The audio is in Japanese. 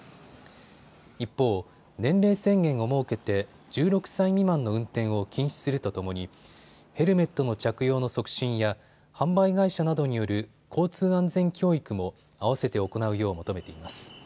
一方、年齢制限を設けて１６歳未満の運転を禁止するとともにヘルメットの着用の促進や販売会社などによる交通安全教育もあわせて行うよう求めています。